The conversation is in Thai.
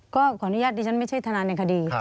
ก็ขออนุญาตดิฉันไม่ใช่ทนายในคดี